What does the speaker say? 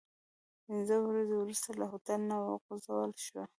پنځه ورځې وروسته له هوټل نه وخوځول شوو.